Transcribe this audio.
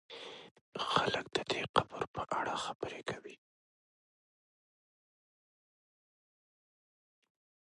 خلک د دې قبر په اړه خبرې کوي.